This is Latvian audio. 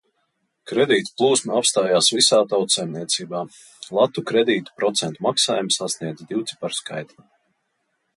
Kredītu plūsma apstājās visā tautsaimniecībā, latu kredītu procentu maksājumi sasniedza divciparu skaitli.